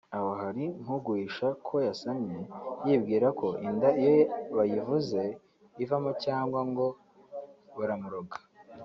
aho hari nk’uguhisha ko yasamye yibwira ko inda iyo bayivuze ivamo cyangwa ngo baramuroga